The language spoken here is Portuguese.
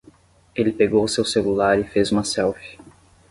Ele pegou seu celular e fez uma selfie.